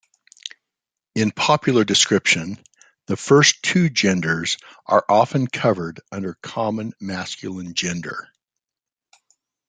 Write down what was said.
In popular description, the first two genders are often covered under common masculine gender.